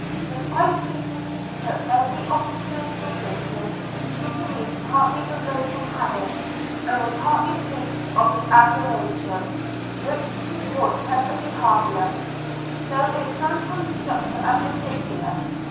The fine speeches he took every opportunity of making, she believed partly arose from habit, and were partly proofs of his admiration; which she thought perfectly harmless, though it sometimes struck her as ridiculous.